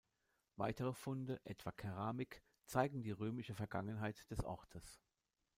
Weitere Funde, etwa Keramik, zeigen die römische Vergangenheit des Ortes.